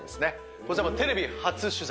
こちら、テレビ初取材。